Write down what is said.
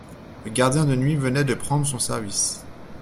Le gardien de nuit venait de prendre son service.